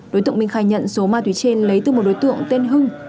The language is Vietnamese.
đối tượng minh khai nhận số ma túy trên lấy từ một đối tượng tên hưng